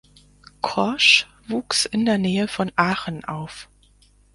Korsch wuchs in der Nähe von Aachen auf.